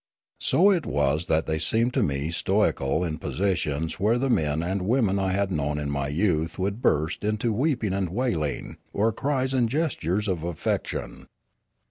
So it was that they seemed to me stoical in positions where the men and women I had known in my youth would burst into weeping and wailing, or cries and gestures of affection.